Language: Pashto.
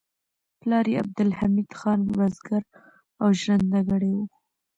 پلار یې عبدالحمید خان بزګر او ژرندګړی و